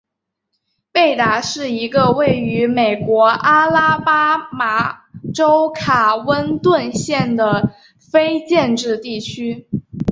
贝达是一个位于美国阿拉巴马州卡温顿县的非建制地区。